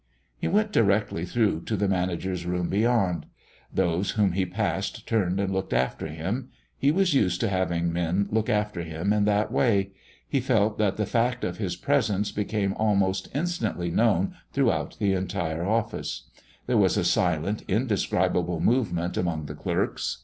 He went directly through to the manager's room beyond. Those whom he passed turned and looked after him; he was used to having men look after him in that way. He felt that the fact of his presence became almost instantly known throughout the entire office. There was a silent, indescribable movement among the clerks.